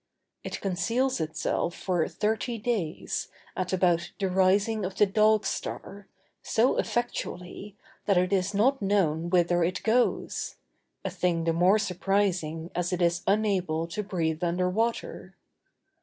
It conceals itself for thirty days, at about the rising of the Dog star, so effectually, that it is not known whither it goes; a thing the more surprising as it is unable to breathe under water.